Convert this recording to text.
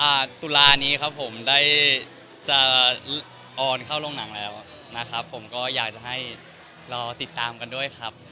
ตุลานี้ครับผมได้จะออนเข้าโรงหนังแล้วนะครับผมก็อยากจะให้รอติดตามกันด้วยครับ